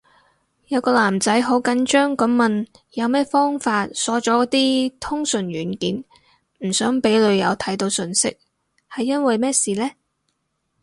有個男仔好緊張噉問有咩方法鎖咗啲通訊軟件，唔想俾女友睇到訊息，係因為咩事呢？